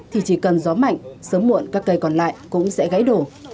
thì chỉ cần gió mạnh sớm muộn các cây còn lại cũng sẽ gãy đổ